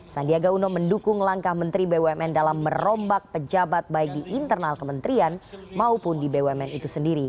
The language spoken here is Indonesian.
sandiaga uno mendukung langkah menteri bumn dalam merombak pejabat baik di internal kementerian maupun di bumn itu sendiri